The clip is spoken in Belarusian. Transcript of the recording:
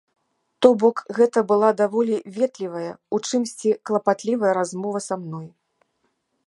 То бок, гэта была даволі ветлівая, у чымсьці клапатлівая размова са мной.